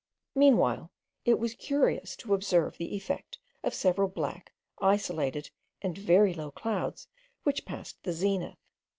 Meanwhile it was curious to observe the effect of several black, isolated, and very low clouds, which passed the zenith.